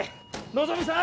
希望さん！